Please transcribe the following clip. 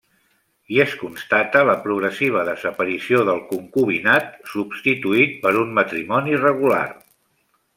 I es constata la progressiva desaparició del concubinat, substituït per un matrimoni regular.